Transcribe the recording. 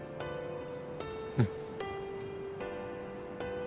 うん。